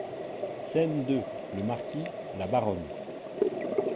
SCÈNE deux LE MARQUIS, LA BARONNE.